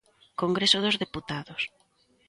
Congreso dos Deputados.